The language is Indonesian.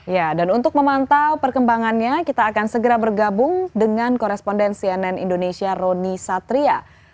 ya dan untuk memantau perkembangannya kita akan segera bergabung dengan koresponden cnn indonesia roni satria